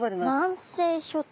南西諸島。